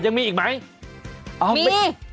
ยังมีอีกไหม